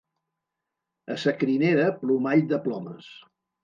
A sa crinera, plomall de plomes.